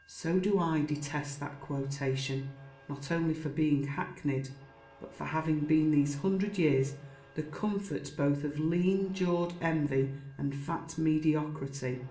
"So do I detest that quotation, not only for being hackneyed, but for having been these hundred years the comfort both of lean jawed envy and fat mediocrity."